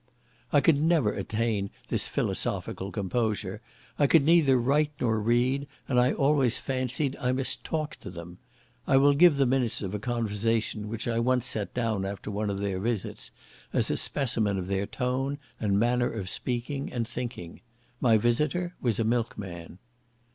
I could never attain this philosophical composure; I could neither write nor read, and I always fancied I must talk to them. I will give the minutes of a conversation which I once set down after one of their visits, as a specimen of their tone and manner of speaking and thinking. My visitor was a milkman.